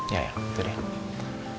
ya ya gitu deh